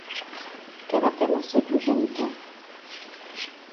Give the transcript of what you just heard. Què va fer amb el seu progenitor?